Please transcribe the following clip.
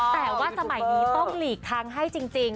แต่ว่าสมัยนี้ต้องหลีกทางให้จริง